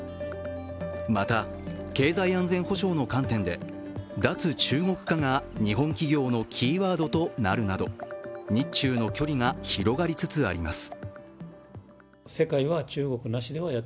また経済安全保障の観点で脱中国化が日本企業のキーワードとなるなど日中の距離が広がりつつあります。